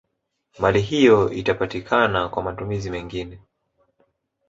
Mali hiyo itapatikana kwa matumizi mengine